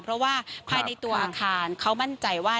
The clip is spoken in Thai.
เพราะว่าภายในตัวอาคารเขามั่นใจว่า